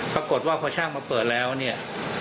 ปรากฏว่าพอช่างมาเปิดแล้วเนี่ย